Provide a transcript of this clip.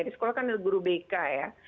di sekolah kan guru bk ya